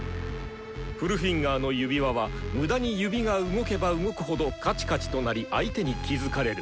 全指の指輪は無駄に指が動けば動くほどカチカチと鳴り相手に気付かれる。